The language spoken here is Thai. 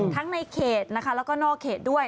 ในเขตนะคะแล้วก็นอกเขตด้วย